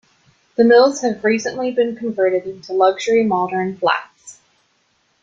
The mills have recently been converted into luxury modern flats.